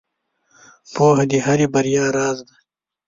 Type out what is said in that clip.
• پوهه د هرې بریا راز دی.